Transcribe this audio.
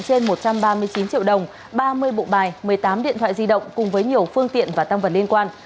trên một trăm ba mươi chín triệu đồng ba mươi bộ bài một mươi tám điện thoại di động cùng với nhiều phương tiện và tăng vật liên quan